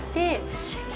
不思議。